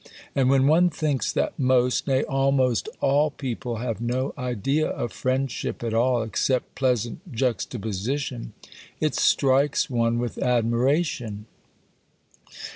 And when one thinks that most, nay almost all people have no idea of friendship at all except pleasant juxtaposition, it strikes one with admiration.